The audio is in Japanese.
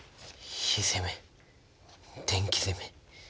火攻め電気攻め。